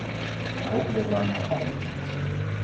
Wij hopen dat daarnaar gehandeld wordt.